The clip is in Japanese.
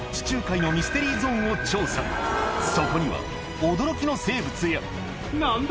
そこには驚きの生物や・何だ？